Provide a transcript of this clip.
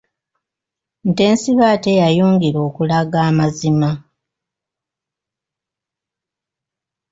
Ntensibe ate yayongera okulaga amazima.